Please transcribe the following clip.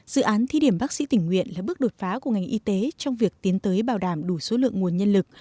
dự án thi điểm bác sĩ tỉnh nguyện là bước đột phá của ngành y tế trong việc tiến tới bảo đảm đủ số lượng nguồn nhân lực